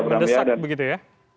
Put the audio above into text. berdesak begitu ya